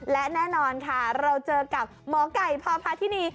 และแน่นอนค่ะเราเจอกับหมอไก่พพาธินี